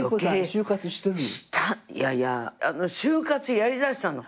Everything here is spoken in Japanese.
いやいや終活やりだしたの。